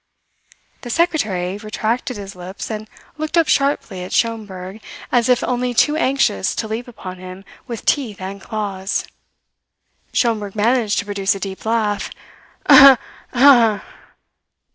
The secretary retracted his lips and looked up sharply at Schomberg, as if only too anxious to leap upon him with teeth and claws. Schomberg managed to produce a deep laugh.